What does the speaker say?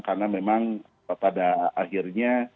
karena memang pada akhirnya